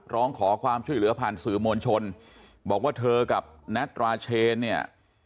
ร้องขอความช่วยเหลือผ่านสื่อมวลชนบอกว่าเธอกับแท็ตราเชนเนี่ย